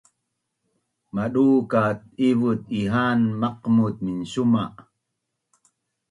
Madu ka ivut ha’an maqmut minsuma’